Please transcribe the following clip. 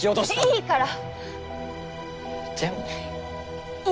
いいから。